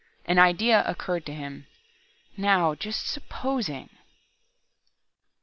An idea occurred to him. Now, just supposing the....